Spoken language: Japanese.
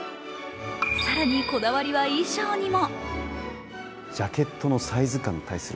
更にこだわりは衣装にも。